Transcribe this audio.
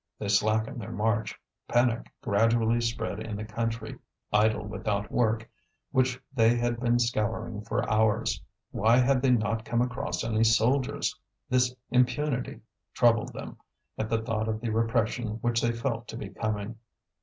They slackened their march, panic gradually spread in the country, idle without work, which they had been scouring for hours. Why had they not come across any soldiers? This impunity troubled them, at the thought of the repression which they felt to be coming.